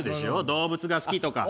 動物が好きとか。